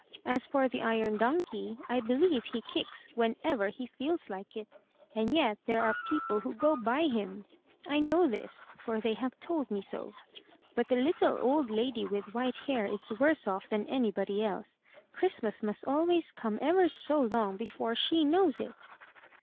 As for the iron donkey, I believe he kicks whenever he feels like it. And yet there are people who go by him! I know this, for they have told me so. But the little old lady with white hair is worse off than anybody else. Christmas must always come ever so long before she knows it.